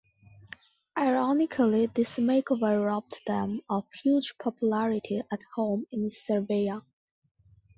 Ironically, this makeover robbed them of huge popularity at home in Serbia.